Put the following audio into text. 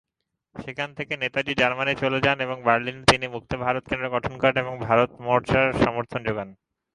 সেখান থেকে নেতাজি জার্মানি চলে যান এবং বার্লিনে তিনি মুক্ত ভারত কেন্দ্র গঠন করেন এবং ভারত মোর্চার সমর্থন যোগান।